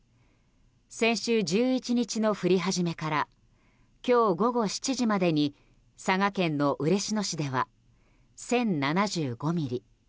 先週１１日の降り始めから今日午後７時までに佐賀県の嬉野市では１０７５ミリ。